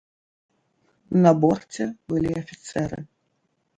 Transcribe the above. На борце былі афіцэры.